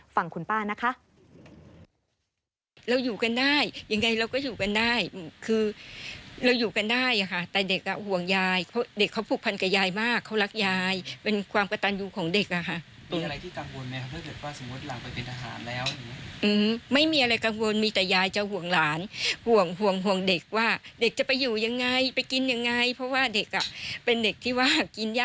ฟังคุณป้านะคะ